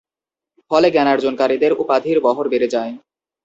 ফলে জ্ঞানার্জনকারীদের উপাধির বহর বেড়ে যায়।